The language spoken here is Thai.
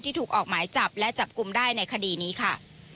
ถูกออกหมายจับและจับกลุ่มได้ในคดีนี้ค่ะ